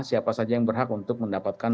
siapa saja yang berhak untuk mendapatkan